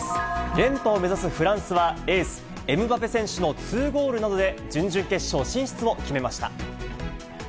連覇を目指すフランスは、エース、エムバペ選手の２ゴールなどで、準々決勝進出を決めました。